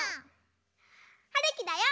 はるきだよ。